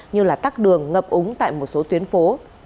như là tắt đường ngập úng tại một số tuyến phố